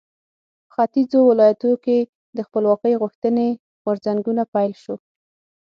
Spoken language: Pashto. په ختیځو ولایاتو کې د خپلواکۍ غوښتنې غورځنګونو پیل شو.